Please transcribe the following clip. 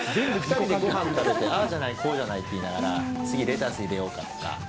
２人でごはん食べて、あーじゃない、こーじゃないって言いながら、次レタス入れようかとか。